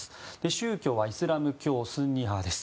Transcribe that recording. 宗教はイスラム教スンニ派です。